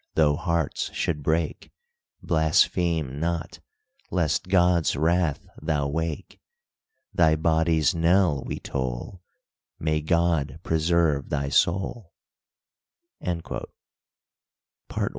though hearts should break, Blaspheme not, lest God's wrath thou wake! Thy body's knell we toll, May God preserve thy soul!" PART I.